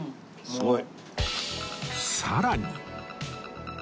すごい！